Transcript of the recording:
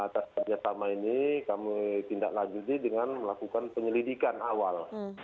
dan pertama ini kami tidak ngajuti dengan melakukan penyelidikan awal